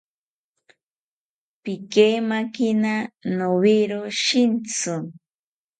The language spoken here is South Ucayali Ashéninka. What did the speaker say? Pikeimakina nowero shintzi